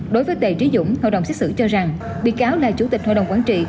đối với đầy trí dũng hội đồng xét xử cho rằng bị cáo là chủ tịch hội đồng quán trị